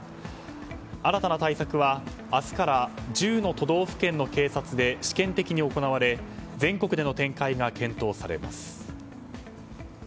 新たな対策は明日から１０の都道府県の警察で試験的に行われ全国での展開が検討されます。